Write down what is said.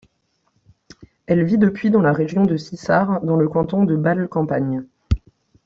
Elle vit depuis dans la région de Sissach, dans le canton de Bâle-Campagne.